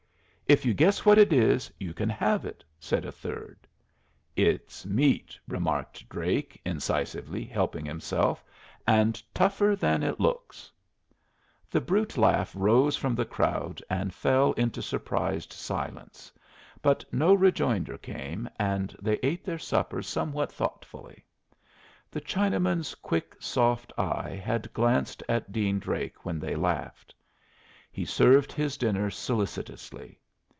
"If you guess what it is, you can have it," said a third. "It's meat," remarked Drake, incisively, helping himself; "and tougher than it looks." The brute laugh rose from the crowd and fell into surprised silence; but no rejoinder came, and they ate their supper somewhat thoughtfully. The Chinaman's quick, soft eye had glanced at Dean Drake when they laughed. He served his dinner solicitously.